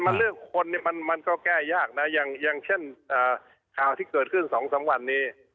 มันเรื่องคนเนี่ยมันก็แก้ยากนะอย่างเช่นข่าวที่เกิดขึ้น๒๓วันนี้